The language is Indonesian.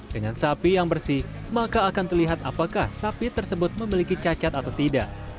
dengan sapi yang bersih maka akan terlihat apakah sapi tersebut memiliki cacat atau tidak